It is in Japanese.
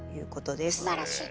すばらしい。